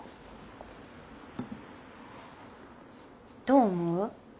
どう思う？